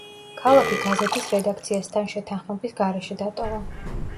ქალაქი გაზეთის რედაქციასთან შეთანხმების გარეშე დატოვა.